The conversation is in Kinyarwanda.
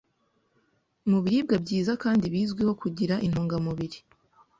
Mu biribwa byiza kandi bizwiho kugira intungamubiri